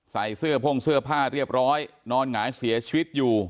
ใส่เสื้อพ่งเสื้อผ้าเรียบร้อยนอนหงายเสียชีวิตอยู่